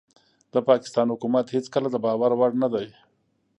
د پاکستان حکومت هيڅکله دباور وړ نه دي